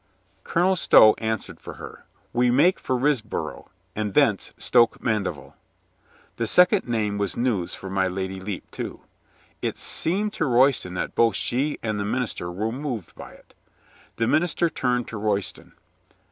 Colonel Stow answered for her: "We make for Risborough, and thence Stoke Mandeville." That second name was news for my Lady Lepe, too. It seemed to Royston that both she and the minister were moved by it. The minister turned to Royston.